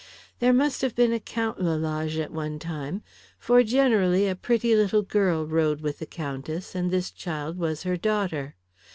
There must have been a Count Lalage at one time, for generally a pretty little girl rode with the Countess, and this child was her daughter.